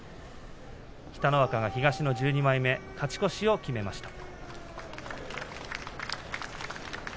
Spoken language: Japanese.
北の若が東の１２枚目で勝ち越しを決めました。